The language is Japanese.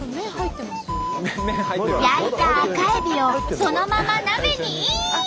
焼いたアカエビをそのまま鍋にイン！